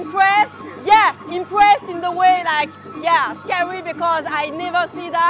ya terkesan karena saya tidak pernah melihat seperti itu